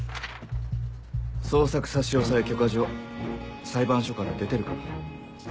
捜索差押許可状裁判所から出てるから。